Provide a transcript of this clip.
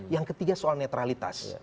yang ketiga soal netralitas